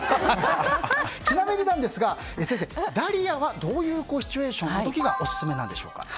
ちなみになんですが、先生ダリアはどういうシチュエーションの時がオススメなんでしょうか？